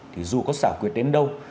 thì dù có xảo quyệt đến đâu